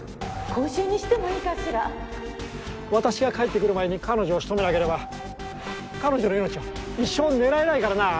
今週にしても私が帰ってくる前に彼女を仕留めなければ彼女の命は一生狙えないからな。